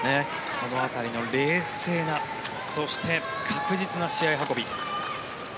この辺りの冷静なそして確実な試合運び。